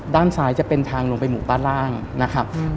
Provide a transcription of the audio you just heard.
ด้านซ้ายจะเป็นทางลงไปหมู่ด้านล่างนะครับ